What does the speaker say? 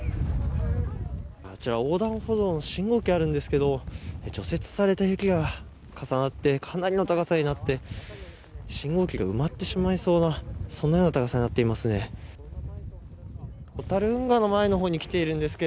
あちら横断歩道に信号機あるんですけど除雪された雪が重なってかなりの高さになって信号機が埋まってしまいそうなそのような高さになってしまっていますね。